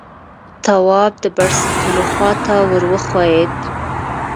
تواب د بړستنو خواته ور وښويېد.